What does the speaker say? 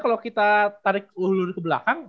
kalau kita tarik ulur ke belakang